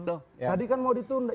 tadi kan mau ditunda